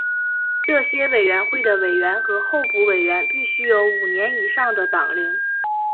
这些委员会的委员和候补委员必须有五年以上的党龄。